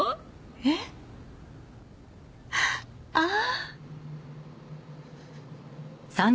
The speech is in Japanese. えっ？ああ！